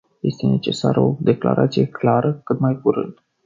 Este necesară o declarație clară cât mai curând.